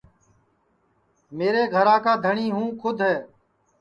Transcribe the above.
میرے گھرا کا دھٹؔی ہوں کُھد ہے